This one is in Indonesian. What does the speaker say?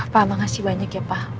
papa kasih banyak ya pak